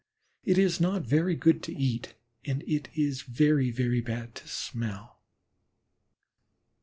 It is not very good to eat, and it is very, very bad to smell.